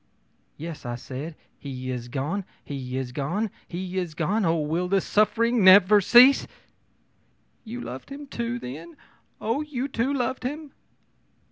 ō'Yes!' I said, 'he is gone, he is gone, he is gone oh, will this suffering never cease!' ō'You loved him, then! Oh, you too loved him!'